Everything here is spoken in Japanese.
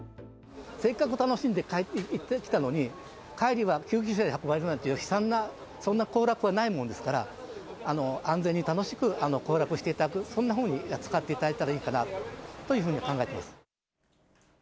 せっかく楽しんで行ってきたのに、帰りは救急車で運ばれるなんて悲惨な、そんな行楽はないもんですから、安全に楽しく、行楽していただく、そんなふうに使っていただけたらいいかなというふうに考えています。